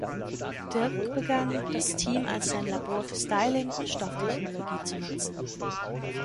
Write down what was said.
Dirk begann, das Team als sein Labor für Styling und Stofftechnologie zu nutzen.